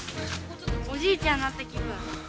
おじいちゃんになった気分。